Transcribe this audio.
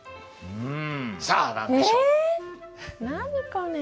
うん。